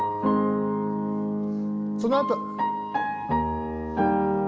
そのあと。